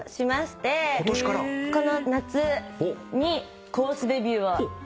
この夏にコースデビューをしまして。